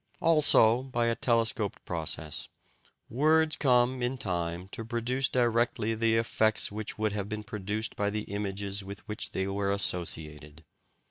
Also, by a telescoped process, words come in time to produce directly the effects which would have been produced by the images with which they were associated.